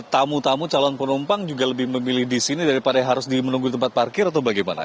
tamu tamu calon penumpang juga lebih memilih di sini daripada harus menunggu di tempat parkir atau bagaimana